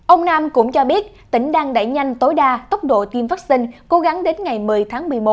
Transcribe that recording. ông nam cũng cho biết tỉnh đang đẩy nhanh tối đa tốc độ tiêm vaccine cố gắng đến ngày một mươi tháng một mươi một